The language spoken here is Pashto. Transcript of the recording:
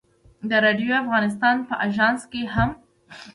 د راډیو افغانستان په اژانس کې هم.